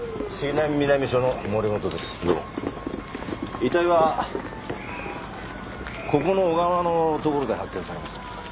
遺体はここの小川のところで発見されました。